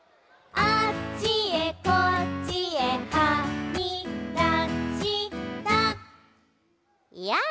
「あっちへこっちへはみだしたやあ」